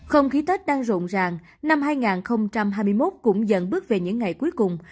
không khí tết đang rộn ràng năm hai nghìn hai mươi một cũng dần bước về những ngày cuối cùng